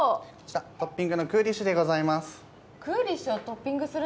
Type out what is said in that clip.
トッピングのクーリッシュでございます。